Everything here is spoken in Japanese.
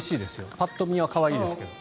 パッと見は激しいですけど。